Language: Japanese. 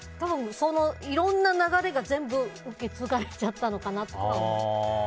いろんな流れが全部受け継がれちゃったのかなと思う。